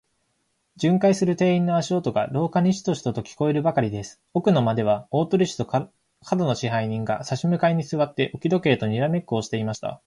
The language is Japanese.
巡回する店員の足音が、廊下にシトシトと聞こえるばかりです。奥の間では、大鳥氏と門野支配人が、さし向かいにすわって、置き時計とにらめっこをしていました。